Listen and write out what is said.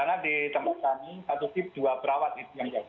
karena di tempat kami satu stik dua perawat itu yang jaga